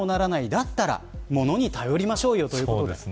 だったら物に頼りましょうよと。